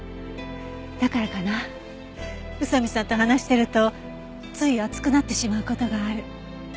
だからかな宇佐見さんと話してるとつい熱くなってしまう事がある。